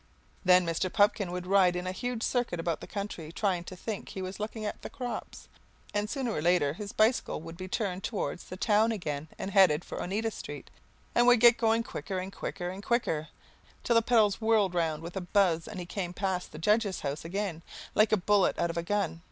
Then Mr. Pupkin would ride in a huge circuit about the country, trying to think he was looking at the crops, and sooner or later his bicycle would be turned towards the town again and headed for Oneida Street, and would get going quicker and quicker and quicker, till the pedals whirled round with a buzz and he came past the judge's house again, like a bullet out of a gun.